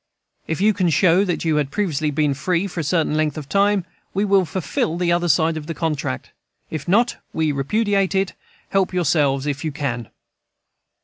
If you can show that you had previously been free for a certain length of time, we will fulfil the other side of the contract. If not, we repudiate it Help yourselves, if you can.